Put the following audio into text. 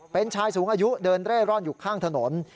เป็นชายสูงอายุเดินเร่ร่อนอยู่ข้างถนน